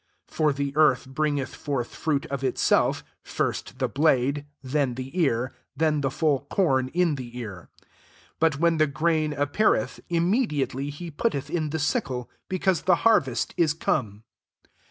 28 (For the earth bringeth forth ihiit of itself; first the blade, then the ear, then the full corn in the ear.) 29 But when the grain appeareth,. immediately he putteth in the sickle, be caase the harvest is come."